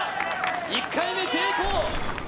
１回目成功。